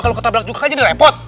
kalau ketabrak juga kan jadi repot